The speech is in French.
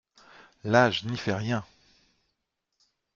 L’âge n’y fait rien !…